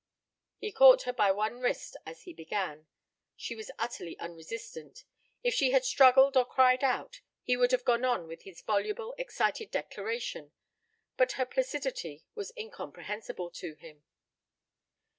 He caught her by one wrist as he began. She was utterly unresistant. If she had struggled or cried out, he would have gone on with his voluble, excited declaration; but her placidity was incomprehensible to him.